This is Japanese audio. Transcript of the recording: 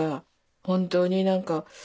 本当に何か。